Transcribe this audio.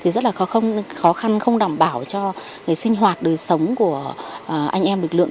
rất là khó khăn không đảm bảo cho sinh hoạt đời sống của anh em lực lượng